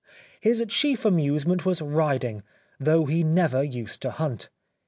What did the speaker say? " His chief amusement was riding, though he never used to hunt.